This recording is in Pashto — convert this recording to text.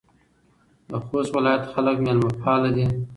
د خوست ولایت خلک میلمه پاله دي.